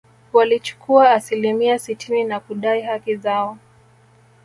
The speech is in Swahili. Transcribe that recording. Walichukua asilimia sitini na kudai haki zao